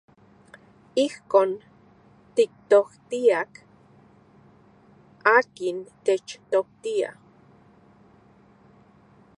Ijkon tiktoktiaj akin techtoktia.